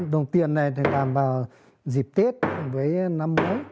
đồng tiền này thì làm vào dịp tết với năm mấy